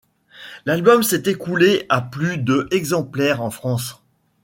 L'album s'est écoulé à plus de exemplaires en France.